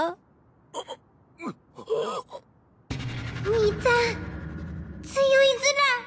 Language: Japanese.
兄ちゃん強いズラ